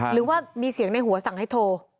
หรือว่ามีเสียงในหัวสั่งให้โทร